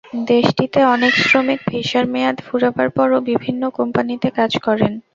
দেশটিতে অনেক শ্রমিক ভিসার মেয়াদ ফুরাবার পরও বিভিন্ন কোম্পানিতে কাজ করেন।